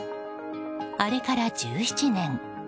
あれから１７年。